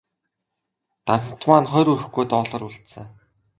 Дансанд маань хорь хүрэхгүй доллар үлдсэн.